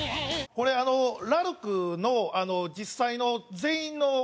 これあのラルクの実際の全員の。